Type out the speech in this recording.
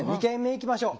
行きましょう。